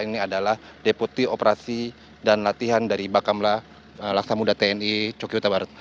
ini adalah deputi operasi dan latihan dari bakamlah laksamuda tni coki utabarat